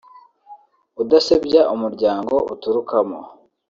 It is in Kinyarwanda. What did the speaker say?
udasebya umuryango uturukamo